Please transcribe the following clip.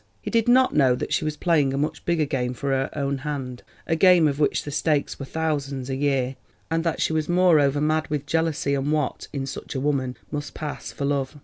He did not know that she was playing a much bigger game for her own hand, a game of which the stakes were thousands a year, and that she was moreover mad with jealousy and what, in such a woman, must pass for love.